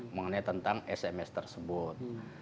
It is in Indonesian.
mengenai tentang sms tersebut